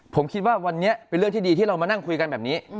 ผมคิดว่าวันนี้เป็นเรื่องที่ดีที่เรามานั่งคุยกันแบบนี้